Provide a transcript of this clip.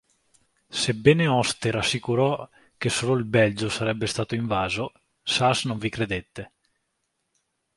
Sebbene Oster assicurò che solo il Belgio sarebbe stato invaso, Sas non vi credette.